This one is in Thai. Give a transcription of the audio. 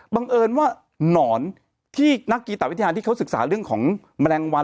บังเอิญว่าหนอนที่นักกีตะวิทยาที่เขาศึกษาเรื่องของแมลงวัน